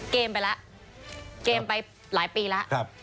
เกมไปแล้วเกมไปหลายปีแล้ว